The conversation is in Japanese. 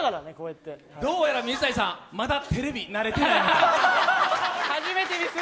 どうやら水谷さん、まだテレビに慣れていないようです。